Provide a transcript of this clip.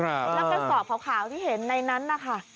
แล้วก็สอบขาวที่เห็นในนั้นนะคะ